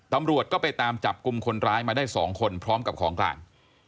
ตำรวจก็ไปตามจับกลุ่มคนร้ายมาได้๒คนพร้อมกับของกลาง